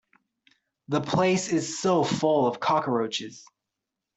The place is so full of cockroaches.